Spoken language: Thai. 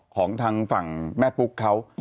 ของทางฝั่งแม่ปุ๊กเขา